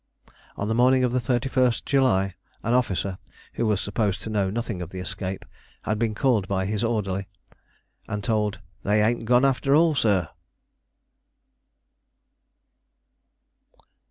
On the morning of the 31st July an officer, who was supposed to know nothing of the escape, had been called by his orderly and told, "They ain't gone after all, sir!"